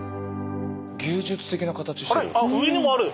芸術的な形してる。